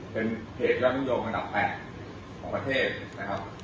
เป็นเพจร่วมนุมโยงอันดับ๘ของประเทศนะครับ